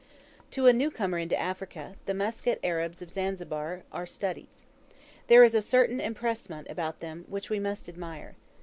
To a new comer into Africa, the Muscat Arabs of Zanzibar are studies. There is a certain empressement about them which we must admire.